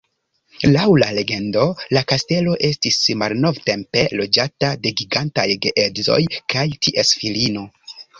Laŭ la legendo, la kastelo estis malnovtempe loĝata de gigantaj geedzoj kaj ties filino.